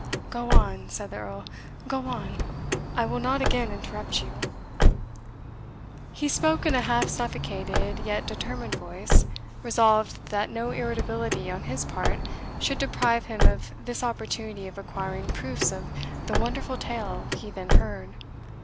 "Go on," said the Earl, "go on I will not again interrupt you." He spoke in a half suffocated yet determined voice, resolved that no irritability on his part should deprive him of this opportunity of acquiring proofs of the wonderful tale he then heard.